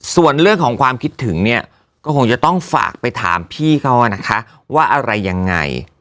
ส่วนเรื่องของความคิดถึงเนี่ยก็คงจะต้องฝากไปถามพี่เขานะคะว่าอะไรยังไง